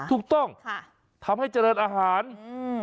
ถูกต้องค่ะทำให้เจริญอาหารอืม